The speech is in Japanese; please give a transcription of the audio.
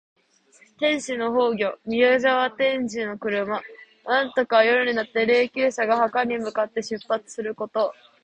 天子の崩御。「宮車」は天子の車。「晏駕」は夜になって霊柩車が墓に向かって出発すること。